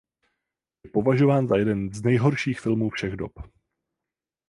Je považován za jeden z nejhorších filmů všech dob.